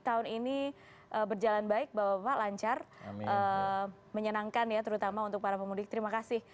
tahun ini berjalan baik bahwa lancar menyenangkan ya terutama untuk para pemilik terima kasih